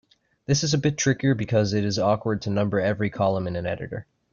This is a bit trickier because it is awkward to number every column in an editor.